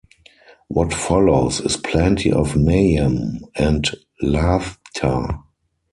What follows is plenty of mayhem and laughter.